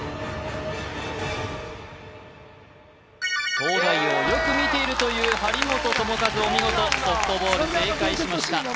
「東大王」をよく見ているという張本智和お見事ソフトボール正解しました